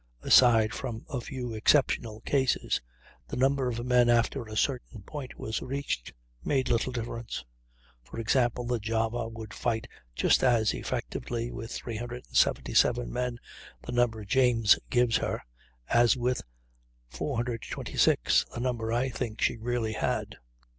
Aside from a few exceptional cases, the number of men, after a certain point was reached, made little difference. For example, the Java would fight just as effectually with 377 men, the number James gives her, as with 426, the number I think she really had.